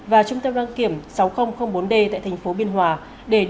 và trung tâm đăng kiểm sáu nghìn bốn d tại tp biên hòa để điều tra về các hành vi đưa và nhận hối lộ